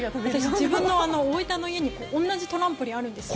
自分の家に同じトランポリンがあるんですよ。